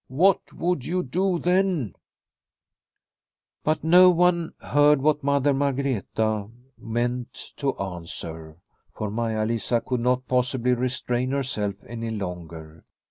What would you do then ? w But no one heard what Mother Margreta meant to answer, for Maia Lisa could not possibly restrain herself any longer.